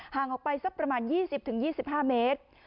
ห่างออกไปสักประมาณ๒๐๒๕เมตร